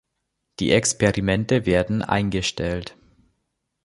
Die Experimente werden eingestellt.